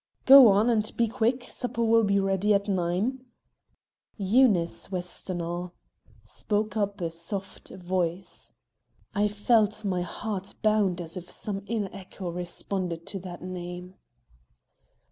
"Go on, and be quick; supper will be ready at nine." "Eunice Westonhaugh," spoke up a soft voice. I felt my heart bound as if some inner echo responded to that name.